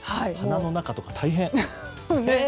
鼻の中とか大変。